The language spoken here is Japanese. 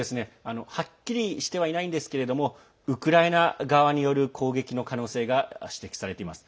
はっきりしてはいないんですけれどもウクライナ側による攻撃の可能性が指摘されています。